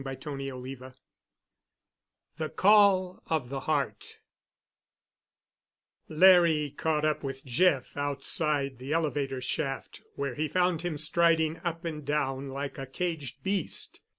*CHAPTER XXVI* *THE CALL OF THE HEART* Larry caught up with Jeff outside the elevator shaft, where he found him striding up and down like a caged beast.